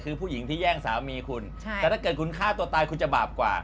คือผู้หญิงที่แย่งสามีคุณใช่แต่ถ้าเกิดคุณฆ่าตัวตายคุณจะบาปกว่า